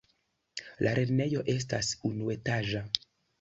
La lernejo estas unuetaĝa.